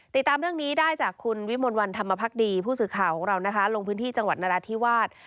ติดตามเรื่องนี้ได้จากคุณวิมลวันธรรมพักดีผู้สื่อข่าวของเรานะคะลงพื้นที่จังหวัดนราธิวาส